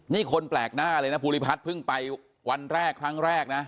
นี่คนแปลกหน้าเลยนะภูริพัฒน์เพิ่งไปวันแรกครั้งแรกนะ